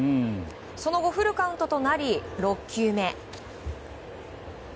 その後、フルカウントとなり６球目。